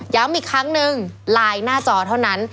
อีกครั้งนึงไลน์หน้าจอเท่านั้น